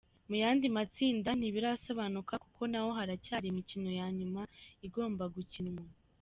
Mu yandi matsinda ntibirasobanuka kuko naho haracyari imikino ya nyuma igomba gukinwa.